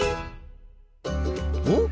おっ？